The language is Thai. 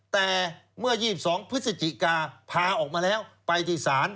แต่เมื่อ๒๒พฤศจิกาพาออกมาแล้วไปที่ศาล